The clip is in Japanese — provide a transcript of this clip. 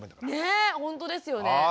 ねえほんとですよね。